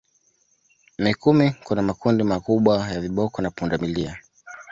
Mikumi kuna makundi makubwa ya viboko na pundamilia